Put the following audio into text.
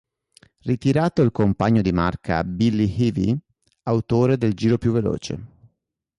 Ritirato il compagno di Marca Bill Ivy, autore del giro più veloce.